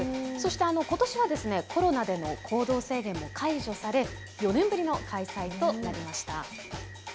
ことしはコロナの行動制限も解除され４年ぶりの開催となりました。